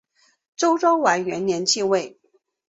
周庄王元年即位。